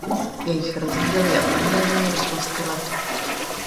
Jejich rozdíl je úměrný rychlosti letu.